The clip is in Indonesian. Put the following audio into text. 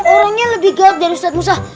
orangnya lebih galak dari ustadz musa